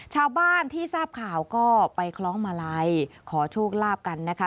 ชาวบ้านที่ทราบข่าวก็ไปคล้องมาลัยขอโชคลาภกันนะคะ